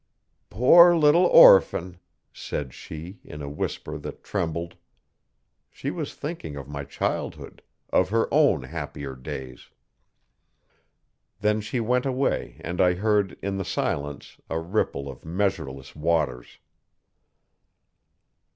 'Poor little orphan!' said she, in a whisper that trembled. She was thinking of my childhood of her own happier days. Then she went away and I heard, in the silence, a ripple of measureless waters.